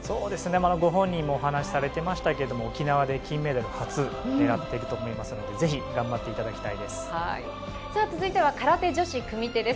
また、ご本人もお話しされていましたが沖縄で金メダル初を狙っていると思いますのでぜひ頑張っていただきたいです。